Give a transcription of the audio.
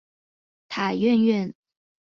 塔院院门内便是南塔。